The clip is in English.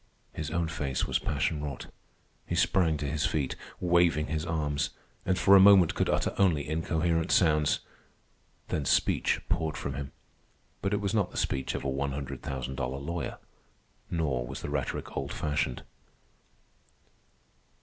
His own face was passion wrought. He sprang to his feet, waving his arms, and for a moment could utter only incoherent sounds. Then speech poured from him. But it was not the speech of a one hundred thousand dollar lawyer, nor was the rhetoric old fashioned.